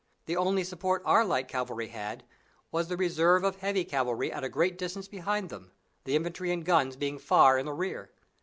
The only support our light cavalry had was the reserve of heavy cavalry at a great distance behind them, the infantry and guns being far in the rear.